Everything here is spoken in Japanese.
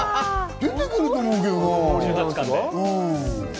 出てくると思うけどな。